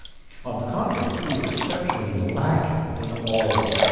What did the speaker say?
On the contrary, he was exceptionally lacking in all these (p.